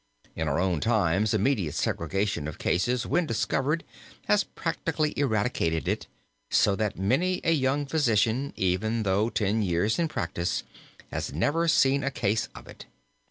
In our own time immediate segregation of cases when discovered has practically eradicated it, so that many a young physician, even though ten years in practise, has never seen a case of it.